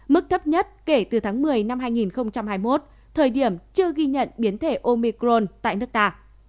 mức thấp nhất kể từ tháng một mươi năm hai nghìn hai mươi một thời điểm chưa ghi nhận biến thể omicron tại nước ta